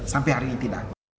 sampai hari ini tidak